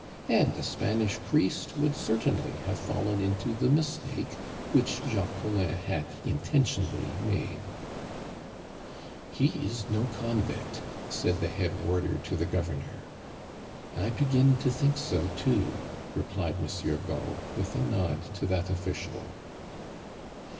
And a Spanish priest would certainly have fallen into the mistake which Jacques Collin had intentionally made. "He is no convict!" said the head warder to the governor. "I begin to think so too," replied Monsieur Gault, with a nod to that official.